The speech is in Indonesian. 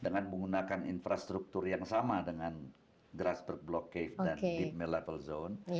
dengan menggunakan infrastruktur yang sama dengan grassberg blue cave dan deep mill level zone